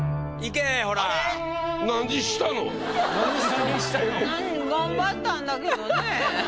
何頑張ったんだけどね。